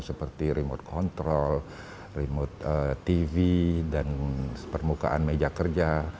seperti remote control remote tv dan permukaan meja kerja